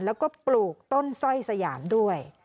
แล้วก็ปลูกต้นสร้อยสยามด้วย